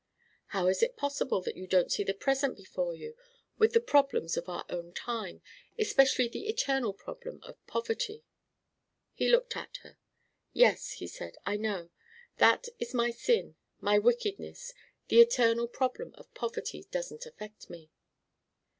"How is it possible that you don't see the present before you, with the problems of our own time, especially the eternal problem of poverty?" He looked at her: "Yes," he said, "I know. That is my sin, my wickedness. The eternal problem of poverty doesn't affect me."